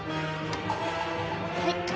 はい。